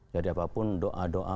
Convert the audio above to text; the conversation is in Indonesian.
jadi apapun doa doa